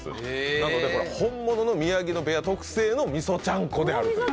なのでこれは本物の宮城野部屋特製のみそちゃんこであるという。